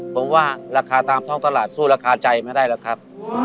ผมว่าราคาตามท้องตลาดสู้ราคาใจไม่ได้หรอกครับ